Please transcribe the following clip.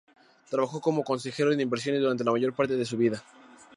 Trabajó como consejero de inversiones durante la mayor parte de su vida.